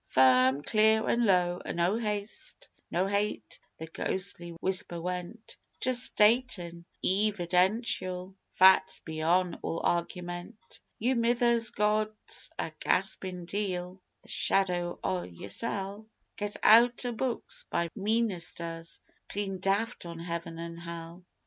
Firm, clear an' low no haste, no hate the ghostly whisper went, Just statin' eevidential facts beyon' all argument: "Your mither's God's a graspin' deil, the shadow o' yoursel', Got out o' books by meenisters clean daft on Heaven an' Hell.